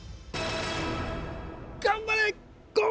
頑張れ言！